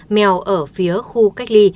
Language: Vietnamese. mèo ở phía khu cách ly